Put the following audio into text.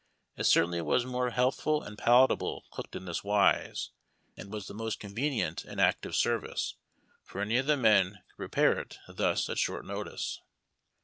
It certainly was more healthful and palatable cooked in this wise, and was the most convenient in active service, for any of the men could prepare it thus at short notice.